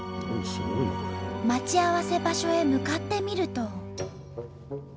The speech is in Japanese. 待ち合わせ場所へ向かってみると。